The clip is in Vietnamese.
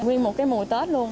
nguyên một cái mùa tết luôn